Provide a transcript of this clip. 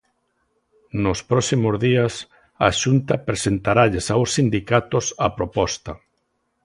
Nos próximos días a Xunta presentaralles aos sindicatos a proposta.